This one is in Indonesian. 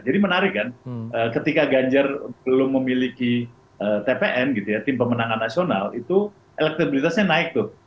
jadi menarik kan ketika ganjar belum memiliki tpn gitu ya tim pemenangan nasional itu elektabilitasnya naik tuh